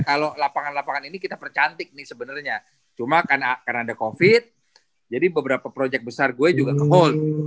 kalau lapangan lapangan ini kita percantik nih sebenernya cuma karena ada covid jadi beberapa project besar gue juga ke hold